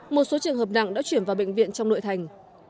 một số trường hợp nặng đã chuyển vào bệnh viện trong nội thành